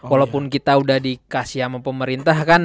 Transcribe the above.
walaupun kita udah dikasih sama pemerintah